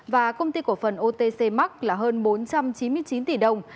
và công ty của phần otc mark là hơn bốn trăm chín mươi chín tỷ đồng